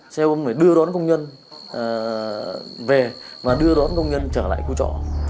xe ôm phải đưa đón công nhân về và đưa đón công nhân trở lại khu trọ